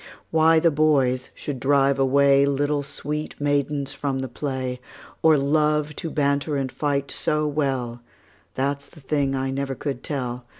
Why the boys should drive away Little sweet maidens from the play, Or love to banter and fight so well, That 's the thing I never could tell.